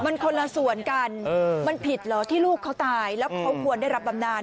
มันคนละส่วนกันมันผิดเหรอที่ลูกเขาตายแล้วเขาควรได้รับบำนาน